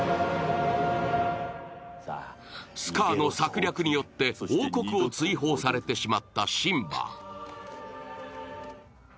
スカーの策略によって王国を追放されてしまったシンバ。